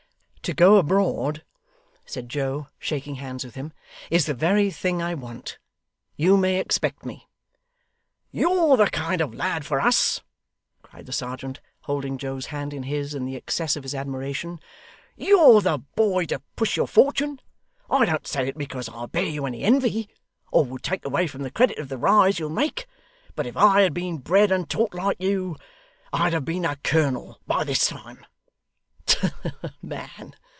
'To go abroad,' said Joe, shaking hands with him, 'is the very thing I want. You may expect me.' 'You're the kind of lad for us,' cried the serjeant, holding Joe's hand in his, in the excess of his admiration. 'You're the boy to push your fortune. I don't say it because I bear you any envy, or would take away from the credit of the rise you'll make, but if I had been bred and taught like you, I'd have been a colonel by this time.' 'Tush, man!